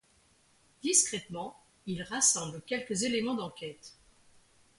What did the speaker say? Discrètement, il rassemble quelques éléments d'enquête.